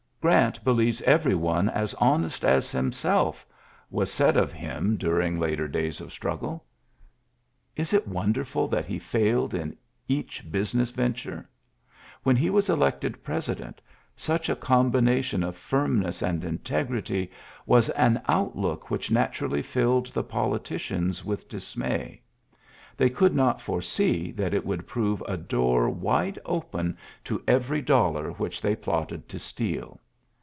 "Grant believes every one as honest as himself," was said of him dur ULYSSES S. GEANT 13 ing later days of struggle. Is it wonder ful that he failed in each business vent ure t When he was elected President, such a combination of firmness and in tegrity was an outlook which naturally filled the politicians with dismay. They could not foresee that it would prove a door wide open to every dollar which they plotted to steal.